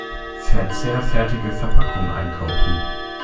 Verzehrfertige Verpackung einkaufen.